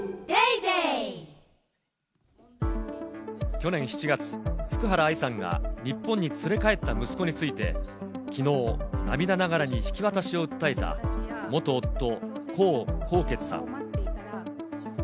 去年７月、福原愛さんが日本に連れ帰った息子について、きのう涙ながらに引き渡しを訴えた元夫のコウ・コウケツさん。